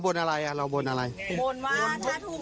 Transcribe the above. บนว่าถ้าทุก๓ตัวบนจะให้ลำวง